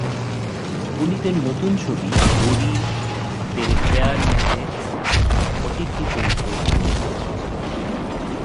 পুনিতের নতুন ছবি গোরি তেরে পেয়্যার মেতে অতিথি চরিত্রে অভিনয় করেছেন শ্রদ্ধা।